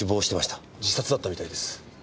自殺だったみたいです。